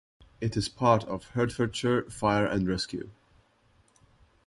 It is part of Hertfordshire Fire and Rescue.